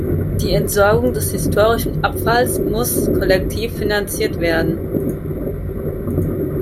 Die Entsorgung des historischen Abfalls muss kollektiv finanziert werden.